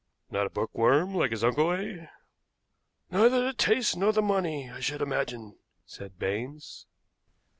"Not a bookworm like his uncle, eh?" "Neither the taste nor the money, I should imagine," said Baines.